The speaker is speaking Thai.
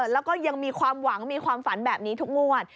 แล้วก็ยังมีความหวังมีความฝันแบบนี้ทุกงวด